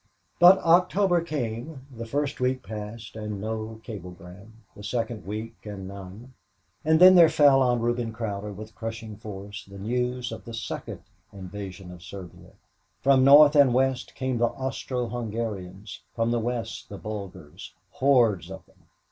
But October came. The first week passed and no cablegram. The second week, and none. And then there fell on Reuben Cowder with crushing force the news of the second invasion of Serbia. From north and west came the Austro Hungarians from the west the Bulgars hordes of them.